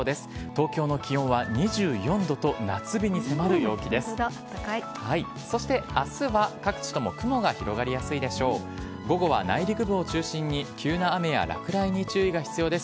東京の気温は２４度と、夏日に迫る陽気です。